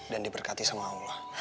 dan diberkati sama allah